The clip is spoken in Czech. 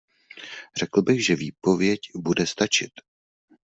Řekl bych, že výpověď bude stačit.